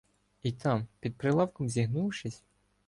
І там, під прилавком зігнувшись